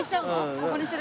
ここにする？